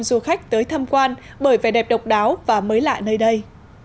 du khách tới tham quan bởi vẻ đẹp độc đáo và mới lạ nơi đây